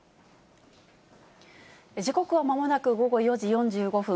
時刻はまもなく午後４時４５分。